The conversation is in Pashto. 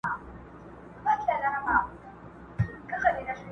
د څپو غېږته قسمت وو غورځولی؛